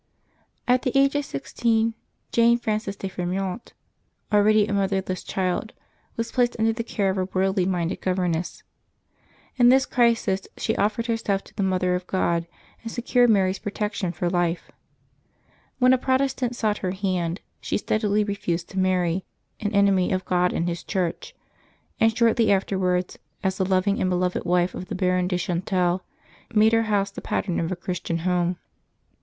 aT the age of sixteen^, Jane Frances de Fremyot, already a motherless child, was placed under the care of a worldly minded governess. In this crisis she offered her self to the Mother of God, and secured Mary's protection for life. When a Protestant sought her hand, she steadily refused to marry " an enemy of God and His Church," and shortly afterwards, as the loving and beloved wife of the Baron de Chantal, made her house the pattern of a Chris tian home.